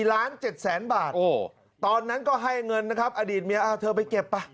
ล้าน๗แสนบาทตอนนั้นก็ให้เงินนะครับอดีตเมียเธอไปเก็บไป